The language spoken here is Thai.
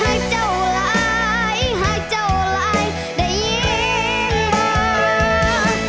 ให้เจ้าหลายหากเจ้าหลายได้ยินมา